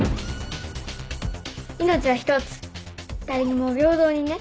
命はひとつ誰にも平等にね。